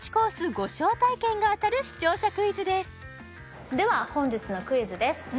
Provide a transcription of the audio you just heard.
ご招待券が当たる視聴者クイズですでは本日のクイズです